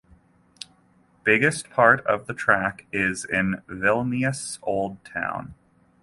Biggest part of the track is in Vilnius Old Town.